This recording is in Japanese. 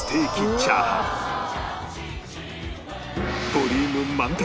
ボリューム満点！